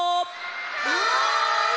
はい！